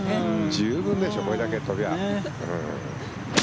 十分でしょうこれだけ飛べば。